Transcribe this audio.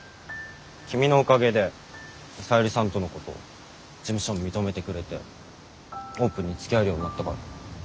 君のおかげでさゆりさんとのこと事務所も認めてくれてオープンにつきあえるようになったから。